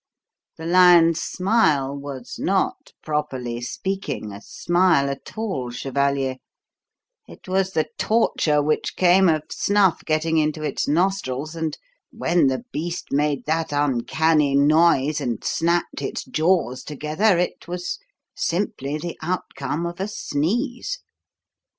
The lion's smile was not, properly speaking, a smile at all, chevalier; it was the torture which came of snuff getting into its nostrils, and when the beast made that uncanny noise and snapped its jaws together, it was simply the outcome of a sneeze.